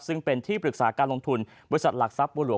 ซึ่งเป็นที่ปรึกษาการลงทุนบริษัทหลักทรัพย์บัวหลวง